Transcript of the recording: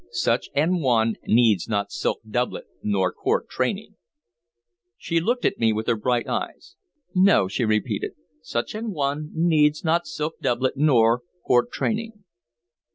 Such an one needs not silk doublet nor court training." She looked at me with her bright eyes. "No," she repeated, "such an one needs not silk doublet nor court training."